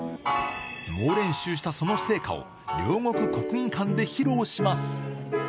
猛練習したその成果を、両国国技館で披露します。